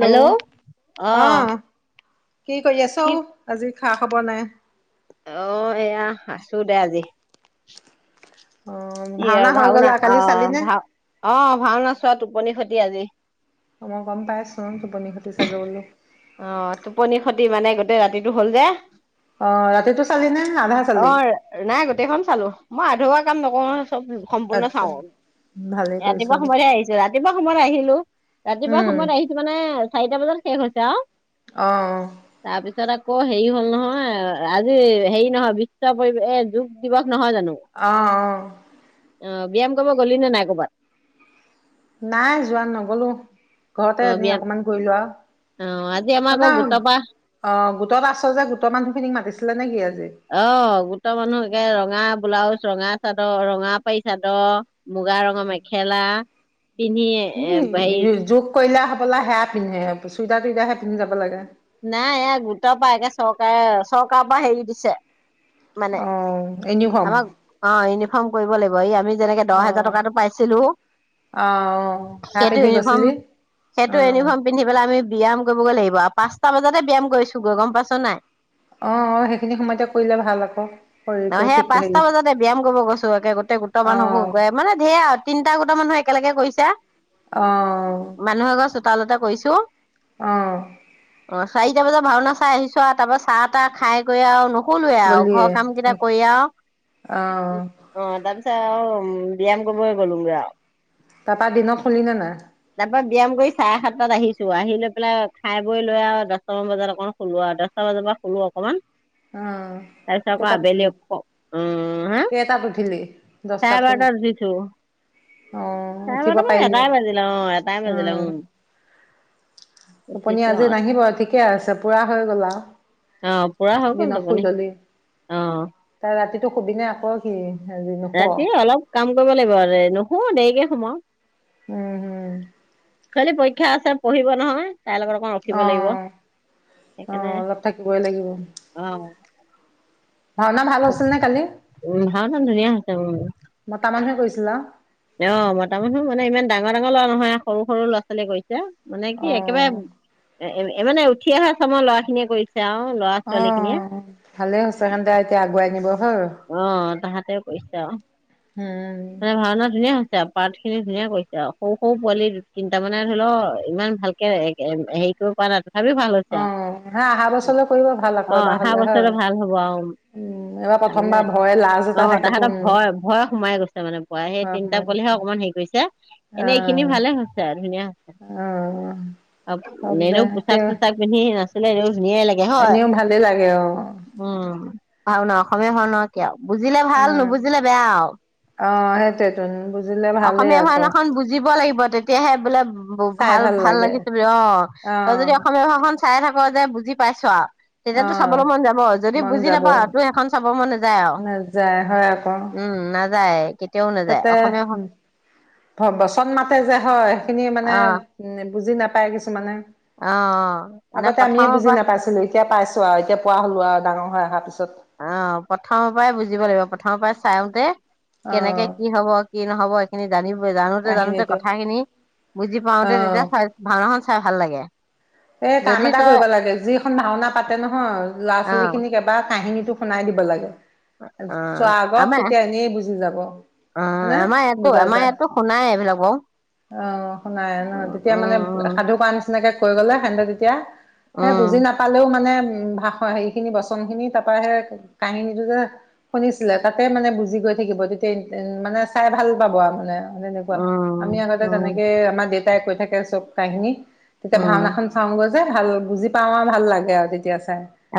Hello অ আহ কি কৰি আছ আজি খা খবৰ নাই অ এয়া আছো দে আজি অ কি ভাওনা হৈ গলা অ কালি চালি নে ভাও অ ভাওনা চোৱা টোপনি খতি আজি। অ মই গম পাইচোন টোপনি খতি চাগে বুলি। দি মানে গোটেই ৰাতিটো হ'ল যে। অহ ৰাতিটো চালি নে আধা অ চালি। নাই গোটেইখন চালো মই আধৰুৱা কাম নকওঁ নহয়। চব সম্পূৰ্ণ আচ্ছা চাও। ভালেই কৰিছ ৰাতিপুৱা দে সময়তে আহিছো, ৰাতিপুৱা সময়ত আহিলো। ৰাতিপুৱা উম সময়ত আহিছো মানে চাৰিটা বজাত শেষ হৈছে আও। অহ অ। ছত আকৌ হেৰি হ'ল নহয় আজি হেৰি নহয় বিশ্ব পৰিৱে অ যোগ দিৱস। নহয় জানো আহ অহ। অ ব্যায়াম কৰিব গ'লিনে নাই ক'বাত? নাই যোৱা নগলো। ঘৰতে অ এনে ব্যায়াম অকমান ঘূৰি লোৱা অ আজি আমাৰ আকৌ মানে গোটৰ পৰা অ গোটত আছ যে গোটৰ মানুহখিনিক মাতিছিলে নেকি আজি? অ গোটৰ মানুহ একে ৰঙা ব্লাউজ, ৰঙা চাদৰ ৰঙা পাৰী চাদৰ, মুগা ৰঙৰ মেখেলা। পিন্ধি এ উ হেৰি জখ কলা হব পলাে পিন্ধে চুইটাৰটুইাৰে পিন্ধ যাব লাগে নাই এই গোটৰ পৰা একে চৰকাৰে চৰকাৰৰ পৰা হেৰি দিছে মানে অ', ইউনিফৰ্ম আ অনে খম কৰিব লাগিব এই আমি যেনেকে দহ হোজাৰ অ', টকাটো পাইছিলো অ', অ', সেয়া সেইটো পিন্ধি ইউনিফৰ্ম গৈছিলি সেইটো অ', ইউনিফৰ্ম পিন্ধি পেলাই আমি ব্যায়াম কৰিবগৈ লাগিব, পাঁচটা বজাতে ব্যায়াম কৰিছো গৈ গম পাইছ নাই। অ', অ', সেইখিনি সময়তে কৰিলে ভাল আকৌ শৰীৰটো অ' সেয়া ঠিক পাঁচটা হেৰি বজাতে ব্যাম কৰিব গৈছো, একে গোটেই গোটৰ মানুহবোৰ অ', গ মানে ধেৰ আৰু তিনিটা গোটা মানুহ একেলগে কৰিছা, অ' তালতে কৰিছো। অ' অ' চাৰিটা বজাত ভাওনা চাই আহিছো, আৰু তাৰ পৰা চাহ তাহ খাই কৰি আৰু নুশুলোৱে আৰু, গলিয়ে ঘৰৰ কাম কেইটা কৰি আৰু অ', অ তাৰপিছত আৰু উম ব্যাম কৰিব গ'লো গৈ অৰু, তাৰ পা দিনত শুলিনে নাই? এবাৰ ব্যায়াম কৰি চাৰে সাতটাত আহিছো, আহি লৈ পেলাই খাই লৈ আৰু দহটামান বজাত অকণ শুলো আৰু দহটা বজাৰ পৰা শুলো অকণমান। অ', তাৰপিছত আকৌ কেইটাত আবেলি উঠিলি উ হা কেইটাত উঠিলি চাৰে দহটাত শুলি বাৰটাত উঠিছো, অ', চাৰে উঠিব বাৰট মানে পাৰিলি এটাই বাজিল আৰু এটাই বাজিল উম আপুনি উঠিছো আজি আৰু নাহিব ঠিকে আছে পুৰা হৈ গলা। অ পুৰা হৈ গ'ল দিনক শুই টোপনি ললি, অ তাই ৰাতি টো সুবি নাই আকৌ কি আজি নুশুৱ ৰাতি অলপ কাম কৰিব লাগিব আৰু নুশু দেৰিকে সম উম হম ছোৱালী পৰীক্ষা আছোৰ কিব নহয় তাইৰ লগত অকণ ৰখিব অ লাগিব অ সেইকাৰণে অলপ থাকিবই লাগিব অ ভাওনা ভাল হৈছিল নে কালি, উ ভাওনা ধুনীয়া হৈছে উম মতা মানুহে কৰিছিল? ল' অ' মতা মানুহ মানে, ইমান ডাঙৰ ডাঙৰ ল'ৰা নহয়, সৰু সৰু ল'ৰা ছোৱালীয়ে কৰিছে। এতিয়া মানে কি অ একেবাৰে এ এ মানে উঠি অহা চামৰ লৰা খিনিয়ে কৰিছে। আৰু ল'ৰা ছোৱালী খিনিয়ে অ' ভালে হৈছে সি'হতে এতিয়া আগুৱাই নিব। হয় অ' তাহাঁত [unintelligible] উম মানে ভাওনা ধুনীয়া হৈছে আ পাৰ্টখিনি ধুনীয়া কৰিছে আৰু, সৰু -সৰু পোৱালি দু তিনটা মানে ধৰি লও ইমান ভালকে হেৰি কৰিব পৰা না অঁ হা অহা বছৰলৈ কৰিব ভাল অ আকৌ এবাৰ অহা হলে হয়, উম এইবাৰ। মানে প্ৰথমবাৰ ভয় লাজ অ এটা থাকেতো তাহাঁতৰ উম ভয়- ভয় সোমাই গৈছে মানে পৰা সেই হয় তিনিটা সোমাই পোৱালিহে গৈছে অকমান হেৰি কৰিছে অ এনে এইখিনি ভালে হৈছে ধুনীয়া হৈছে, অ হওক আৰু দে এনেও পোচাক তেওঁ চোচাক পিন্ধি আছিলে ধুনীয়াই লাগে হয়, এনেও ভালেই লাগে অ উম [unintelligible] [unintelligible] হ'ল ন কি আৰু বুজিলে ভাল নুবুজিলে বেয়া আৰু। অঁ সেইটোৱেটো অসমীয়া ভাওনাখন বুজিব লাগিব তেতিয়াহে বোলে ব চাই ভাল ভাল-ভাল লাগি লাগে [unintelligible] অঁ, তই যদি আহ অসমীয়া ভাও চাই থাক যে বুজি পাইছো আৰু। তেতিয়াতো আহ চাবলৈ মন যাব, যদি মন বুজি যাব নাপাও, টোৰ সেইখন চাব মন নাজা নাযায় হয় আকৌ উম্, নাযায় তেও নাযায়, তাতে অসমীয়া ভা বচন মাতে যে হয়, সেইখিনি মানে অ উম বুজি নাপ পাই কিছুমানে। অ। নে আগতে আমিয়ে প্ৰথমৰ বুজি পৰা নাপাইছিলো, এতিয়া পাইছো আৰু এতিয়া পোৱা হ'লো আৰু। ডাঙৰ হৈ অহাৰ পিছ অ' প্ৰথমৰ পৰাই বুজিব লাগিব, প্ৰথমৰ পৰাই চাই আহোঁতে কেনেকে আহ কি হ'ব কি নহ'ব সেইখিনি জানি জানোতে-জানোতে কাহিনীটো কথা খিনি, বুজি পাওঁতে আহ তেতিয়া ভাওনাখন চাই ভাল লাগে। এই কাম যদি এটা তই কৰিব লাগে, যিখন ভাওনা পাতে নহয় ল'ৰা অ ছোৱালী খিনিক এবাৰ কাহিনী টো শুনাই দিব লাগে। অ চোৱা আগত আমাৰ তেতিয়া এনেই বুজি যাব অ হনে আমাৰ ইয়াতো বুজা আমাৰ যায়, ইয়াতো শুনাই এইবিলাক বাৰু অ' শুনাই ন উম তেতিয়া মানে উম সাধু কোৱা নিচিনাকে কৈ গ'লে [unintelligible] যেতিয়া উম সেই বুজি নাপালেও মানে উ ভাষৰ হে খিনি বচন খিনি তাৰ পৰা সেই কাহিনীটো যে শুনিছিলে, তাতে মানে বুজি গৈ থাকিব তেতিয়া মানে চাই ভাল পাব আৰু মানে উম তেনেকুৱা উম আমি আগতে উম তেনেকে আমাৰ দেউতাই কৈ থাকে। কে চব কাহিনী। উম তেতিয়া ভাওনা খন গৈ যে ভাল বুজি পাও আমাৰ ভাল লাগে আৰু তেতিয়া আ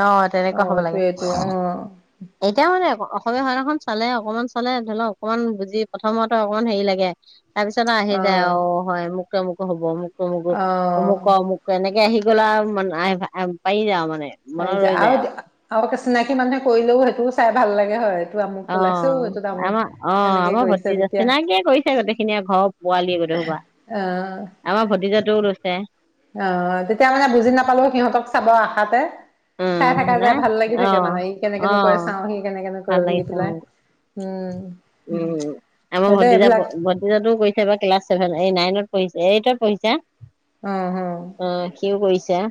অ' তেনেকুৱা হ'ব লাগে এতিয়া মানে আকৌ সবে সিনাখন চালে অকমান চলে ধৰি লওক অকণমান বুজি প্ৰথমতে অকমান হেৰি লাগে। তাৰপিছত ন আহি যায় অ' হয় মোক অমুক হ'ব অমুক অমুক- অ অমুক-অমুক ক' এনেকে আহি কি কলা মই নাই পাৰি যাও মানে পাৰি মনত যাই ৰৈ যায় আৰু, আৰু তো চিনাকি হ'লে কৰিলেও সেইটোও চাই ভাল লাগে হয়। আমুক ওলাইছেও এইটো অ' আমুক আমাৰ অ' এনেকে আমাৰ কৰিছে ভতিজা তেতিয়া চিনাকিয়ে কৰিছে গোটেইখিনিয়ে ঘৰৰ পোৱালি গোটেই সোপা, আহ আমাৰ ভতিজাটোও লৈছে। অ' তেতিয়া মানে বুজি নাপালো সিহঁতক চাব আশাতে চাই উম থকা যাই নাই ভাল লাগি অ থাকে মানে ই কেনেকৈ অ নো কয় চাও, সি কেনেকৈ নো ভাল কৰে বুলি লাগিছে উম পেলাই। উম'। উম' আমাৰ সেইটোৱে ভতিজা, এইবিলাক ভতিজাতটো কৰিছে এইবাৰ ক্লাছ ছেভেন এই নাইনত। পইচা এই ত পইচা। অ' সিও কৰিছে।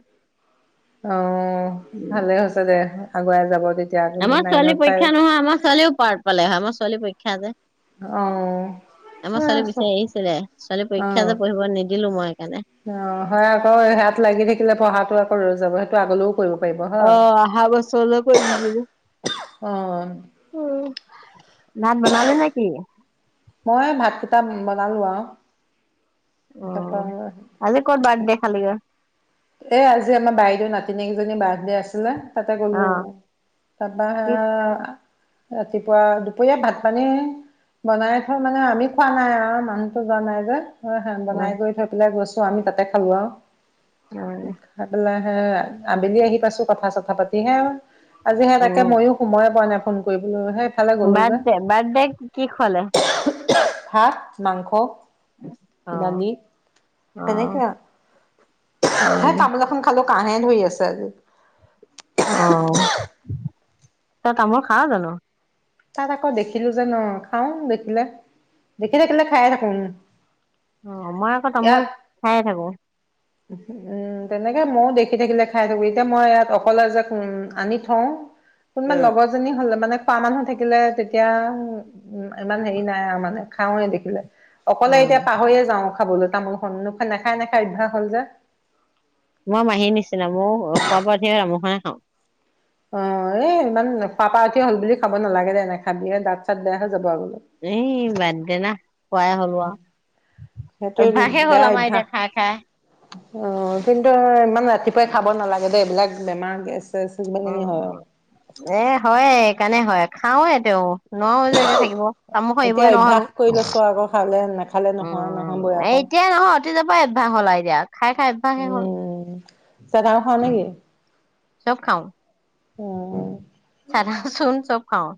অ' উম, ভালে হৈছে দে। আগুৱাই যাব তেতিয়া আমাৰ ছোৱালী নাইনত পাই পৰীক্ষা নহয়, আমাৰ ছোৱালীও পাৰ পালে হয়। ছোৱালী পৰীক্ষা যে অ আমাৰ ছোৱালী বিচাৰি আহিছিলে। ছোৱালী পৰীক্ষা অ যে পঢ়িব নিদিলো মই সেইকাৰণে। অ' হয় আকৌ ইয়াত লাগি থাকিলে পঢ়াটো আকৌ ৰৈ যাব। এইটো আগলৈও কৰিব। পাৰিব অ' হয়। অহা বছৰলৈ কৰিবি বুলি অ' [inaudible] নান বনালে নে কি? মই ভাতকেইটা বনালো আৰু তাৰপৰা অ' আজি ক'ত বাৰ্থডে খালিগে। এ আজি আমাৰ বাইদেউ নাতিনীয়েক এজনী বাৰ্থডে আছিলে তাতে গ'লো অ', তাৰপা কি আহ ৰাতিপুৱা দুপৰীয়া ভাত পানী বনাই থৈ মানে আমি খোৱা নাই আৰু মানুহতো যোৱা নাই যে [unintelligible] অ', বনাই কৰি থৈ পেলাই গছ আমি তাতে খালো আৰু অ', খাই পেলাই [unintelligible] আবেলি আহি পাইছো কথা চথা পাতি হে আজি হেয়া তাকে উম, ময়ো সময়ে পোৱা নাই ফোন কৰিবলৈ [unintelligible] যে। বাৰ্থডে বাৰ্থডে কি খোৱালে ভাত মাংস অ', দালি তেনেকে অ'। আৰু হে অ', তামোল এখন খালো লো কাঁহে ধৰি আছে আজি অ তয় তামোল খাৱ জানো তাত আকৌ দেখিলো যে ন খাওঁ দেখিলে দেখি থাকিলে খাই থাকো অ মই আকৌ তামোল ইয়াত খায়েই থাকো উম তেনেকে ময়ো দেখি থাকিলে খাই থাকো এতিয়া মই ইয়াত অকলে যে উম আনি থওঁ কোনোবা উম, লগৰজনী হলে মানে পাৰা মানুহ [unintelligible] থাকিলে তেতিয়া উ ইমান হেৰি নাই আৰু মানে খাওঁৱে দেখিলে অকলে উম, এতিয়া পাহৰিয়ে যাওঁ খাবলৈ তামোলখন নখ নাখাই নাখাই অভ্যাস হ'ল যে মই মাহীৰ নিচিনা মোৰ খোৱা বোৱা [unintelligible] অ এই ইমান খোৱাপা উঠিয়ে হল বুলি খাব নালাগে দে নেখাবি দাঁত চাত বেয়া হৈ যাব আৰু [unintelligible] বাদদে না খোৱাই হ'লো সেইটো আৰু অভ্যাসেই বেয়া হ'ল আমাৰ এতিয়া অভ্যাস। খাই খাই অ কিন্তু ইমান ৰাতিপুৱাই খাব নালাগে দে এইবিলাক বেমাৰ গেছ চেছ কিবা কিনি হয়। উম এ হয় এইকাৰণে হয় খাওঁৱে তেওঁ নোৱাৰোয়ে যে এতিয়া থাকিব তামোল খন এতিয়া এৰিবই নোৱাৰা অভ্যাস হলো কৰি লৈছো আকৌ খালে নাখালে নহয় উম নহবই এই আকৌ। এতিয়াই নহয় অতীজৰে পৰা অভ্যাস হল [unintelligible] অভ্যাসে হ'ল। উম [unintelligible] খাৱ নেকি চব খাওঁ অঁ! চাদা চুন চব খাওঁ।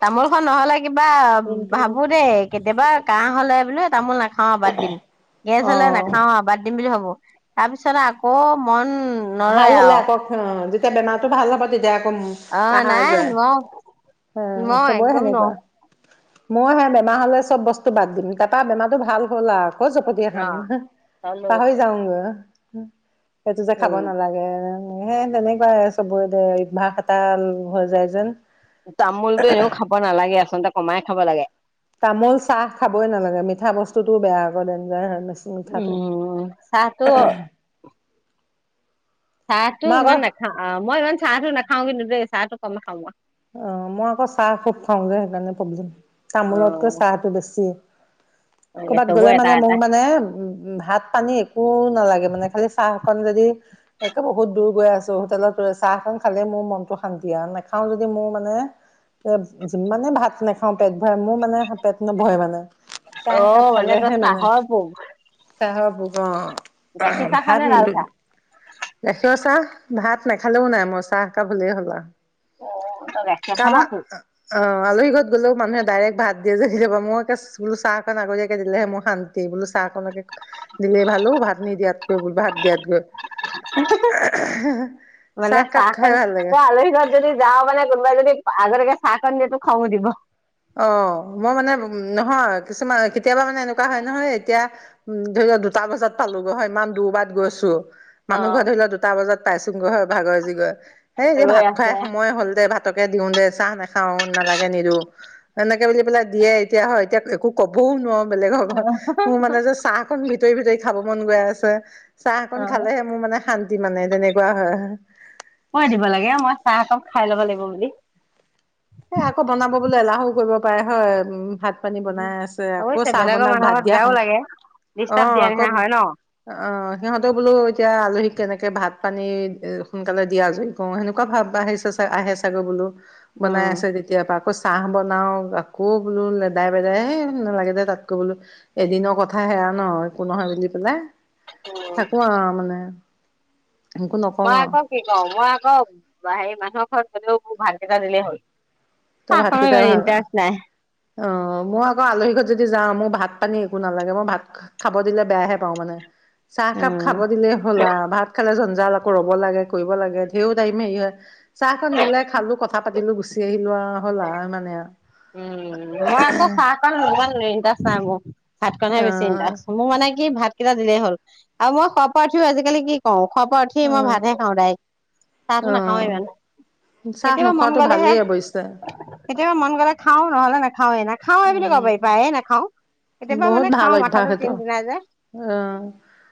তামোল খন নহ'লে কিবা কোনটো? ভাবোঁ দেই, কেতিয়াবা কাহ হ'লে মানে তামোল না অ'! বাদ দিম। গেছ অ হ'লে নাখাওঁ আৰু বাদ দিম বুলি ভ'বো! তাৰপিছত আকৌ মন ভাল নৰয় হ'লে আৰু আ'ক বেমাৰটো ভাল হ'ব তেতিয়া আকৌ অ'! পাহৰা নাই যায়। নোৱাৰো! একদম নোৱাৰো! মইহে বেমাৰ হ'লে চব বস্তু বাদ দিম। তাৰপৰা বেমাৰটো ভাল হ'ল আৰু। আকৌ চপগুটিয়ে খাম। অ'। পাহৰি উম যাওঁগে! [unintelligible] খাব নালাগে। সেই, তেনেকুৱাই চবতেই [unintelligible] এটা হৈ যায় যেন। তামোলটো এনেও খাব নালাগে। আচলতে কমাই খাব লাগে। তামোল, চাহ খাবই নালাগে। মিঠা বস্তুটোও বেয়া আকৌ ডেনজাৰ হয় নহয়। উম! চাহটো চাহটো মই আকৌ ইমান নাখাওঁ, মই, ইমান চাহটো নাখাওঁ কিন্তু দেই। চাহটো কম খাওঁ মই। অ'! মই আকৌ চাহ খুব খাওঁযে। সেইকাৰণে, পব অ তামোলতকৈ চাহটো বেছি! কৰ'বাত চবৰে গ'লে এটা মানে মোক এটা মানে, ভাত পানী একো নালাগে মানে, খালি চাহ। মানে যদি, একে বহুত দূৰ গৈ আছোঁ। হোটেলত চাহখন খালে মোৰ মনতো শান্তি আৰু নাখাওঁ যদি যদি মোৰ মানে এ, যিমানে ভাত নাখাওঁ পেট ভৰাই, মোৰ মানে পেট নভৰে মানে। চাহ একাপ অ'! মানে খালেহে তই চাহৰ পোক। চাহৰ অ'! গখীৰ চাহ ভাত খালে, লাল চাহ? গাখীৰৰ চাহ, ভাত। নাখালেওঁ নাই, মই চাহ একাপ হ'লেই হ'ল আও। অ'! তই গাখীৰ খাওঁ নি? অ'! আলহী ঘৰত গ'লেও মানুহে ডাইৰেক্ট ভাত দিয়ে যে, মই বোলো চাহকন আগতীয়াকে দিলেহে মোৰ শান্তি। বোলো চাহ অকণকে দিলে ভাল অ'! ভাত নিদিয়াতকৈ, বোলো ভাত দিয়াত কৈ। মানে, চাহকাপ চাহ খাই কণ, ভাল লাগে। তই আলহী ঘৰত যদি যাওঁ মানে কোনোবাই যদি আগতিয়াকে চাহ খণ দিয়টো খং উঠিব দিব অ মই মানে উ নহয় কিছুমান কেতিয়াবা মানে এনেকুৱা হয় নহয় এতিয়া উ ধৰি লোৱা দুটা বজাত পালোগৈ হয় ইমান দূুৰবাত গৈছো অ মানুহ ঘৰ ধৰি লও দুটা বজাত পাইছুং গৈহে ভাগৰ জীগৰ সেই এই ৰৈ ভাত আছে খুৱাই সময় হ'ল দে ভাত ভাতকে দিওঁ দে চাহ নাখাও নালাগে নিদো এনেকে বুলি পেলাই দিয়ে এতিয়া হয় এতিয়া একো কবও নোৱাৰো বেলেগৰ ঘৰত মোৰ মানে যে চাহ খন ভিতৰি ভিতৰি খাব মন গৈ আছে অ চাহকন খালেহে মোৰ মানে শান্তি মানে তেনেকুৱা হয় কই দিব লাগে মই চাহ এককাপ খাই ল'ব লাগিব হনে এ আকৌ বনাব বোলে এলাহ কৰিব পাৰে হয় উ ভাত ভাত পানী বনাই আছে আকৌ অৱশ্যে চাহ বেলেগৰ বন মানুহৰ ভাত ঘৰত দিয়া খ বেয়াও লাগে। অ ডিষ্টাৰ্ব দিয়া আকৌ নিচিনা হয় ন? অ সিহঁতেও বোলো এতিয়া আলহী কেনেকে ভাত পানী এ সোনকালে দিয়া আজৰি কো সেনেকুৱা ভাব আহিছে আহে চাগৈ বোলো বনাই আছে তেতিয়া পৰা আাকচ চাহ বনাও আকৌ বোলো লেদাই বেদাইে নালাগে দে তাতকৈ বোলো এদিনৰ কথা সেয়া ন একো নহয় বুলি পেলাই থাকো আহ মানে একো নকওঁ মই আৰু আকৌ কি কওঁ মই আকৌ হেৰি মানুহৰ ঘৰত ও ভাত কেইটা দিলে হ'ল তই চাহকণত ভাতকেইটাই ইমান ভাল ন ইণ্টাৰেষ্ট নাই। অ মই আকৌ আলহী ঘ যদি যদি যাওঁ মোৰ ভাত পানী একো নালাগে মই ভাত খাব দিলে বেয়াহে পাওঁ মানে চাহকাপ উম খাব দিলে হ'লা ভাত খালে জন জাল আকৌ ৰ'ব লাগে কৰিব লাগে তেও টাইমে হেৰি হয় চাহখনন দিলাই খালো কথা পাতিলো গুচি আহি লোৱা হ'লা মানে উম মই আকৌ চাহ পাল নান তা ভাত ইনষ্টাহে বেছি ইণ্টাৰেষ্ট মোৰ মে কি ভাত কেইটা দিলেই হ'ল আৰু মই খোৱা পৰা ওথি আজিকালি কি কওঁ খোৱাৰ পৰা উঠি মই ভাতহে অ খাওঁ দাৰেইক চাহটো অ নাখাও ইমান অ চাহ কেতিয়াবা মন নোখোৱাটো গলেহে ভালেই অৱশ্যে কেতিয়াবা মন গলে নহলে নাই [unintelligible] খাওঁৱে, নাখাওঁৱে বুলি ক'ব উম পাৰি, প্ৰায়ে নাখাওঁ। কেতিয়াবা বহুত মানে ভাল খাওঁ অভ্যাস মাথাটো টিন এইটো, টিনাই যে অ',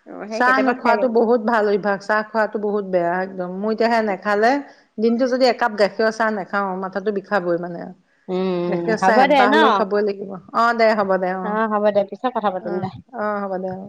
অ', সেই চাহ কেতিয়াবা খাই নোখোৱাাতটো দিওঁ বহুত ভাল অভ্যাস চাহ খোৱাতো বহুত বেয়া একদম। মই এতিয়াহে নেখালে দিনটো যদি একাপ গাখীৰৰ চাহ নাখাও, মাথাাতো বিষাবই মানে। উম গাখীৰৰ চাহ হ'ব দে এবাৰ ন। হলেওঁ খাবই লাগিব, অ', দে হ'ব দে অ'। হ'ব দে পিছত কথা অ পাতিম দে। অ হ'ব দে অ